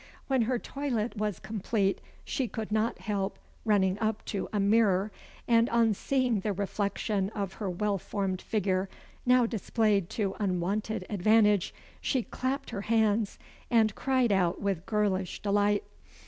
When her toilet was complete, she could not help running up to a mirror, and on seeing the reflection of her well formed figure now displayed to unwonted advantage, she clapped her hands and cried out with girlish delight.